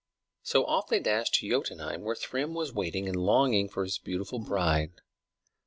So off they dashed to Jotunheim, where Thrym was waiting and longing for his beautiful bride.